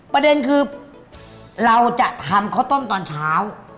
ประเด็นคือเราจะทำข้าวต้มตอนเช้า